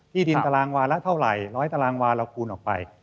ที่ดินตารางวาละเท่าไหร่๑๐๐ตารางวาเราคูณออกไป